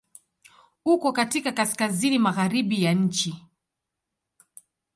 Uko katika Kaskazini magharibi ya nchi.